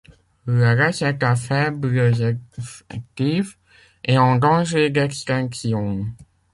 La race est à faibles effectifs, et en danger d'extinction.